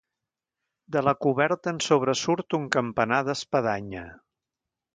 De la coberta en sobresurt un campanar d'espadanya.